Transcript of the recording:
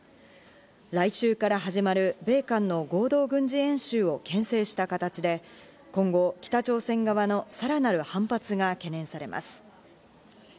来週から始まる米韓の合同軍事演習を牽制した形で、今後、北朝鮮側のさらなる反発が懸念されます。